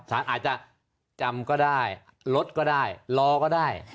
ใช่ครับอาจจะจำก็ได้ลดก็ได้ลอก็ได้